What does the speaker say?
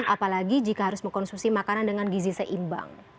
apalagi jika harus mengkonsumsi makanan dengan gizi seimbang